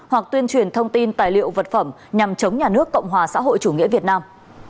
hoặc tuyên truyền thông tin tài liệu vật phẩm nhằm chống nhà nước cộng hòa xã hội chủ nghĩa việt nam